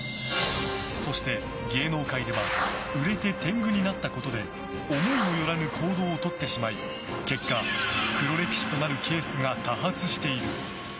そして、芸能界では売れて天狗になったことで思いもよらぬ行動をとってしまい結果、黒歴史となるケースが多発している。